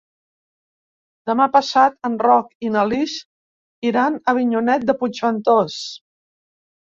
Demà passat en Roc i na Lis iran a Avinyonet de Puigventós.